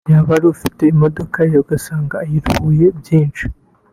yaba ari ufite imodoka ye ugasanga ayiruhuye byinshi